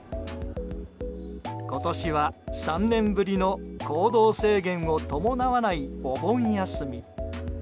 今年は３年ぶりの行動制限を伴わないお盆休み。